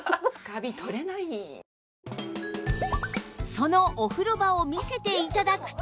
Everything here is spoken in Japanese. そのお風呂場を見せて頂くと